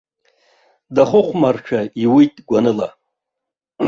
Дахыхәмаршәа иуит гәаныла.